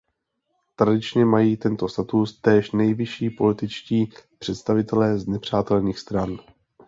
Tradičně mají tento status též nejvyšší političtí představitelé znepřátelených stran.